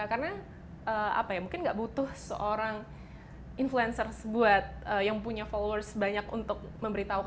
karena apa ya mungkin nggak butuh seorang influencer sebuah yang punya followers banyak untuk memberi tahu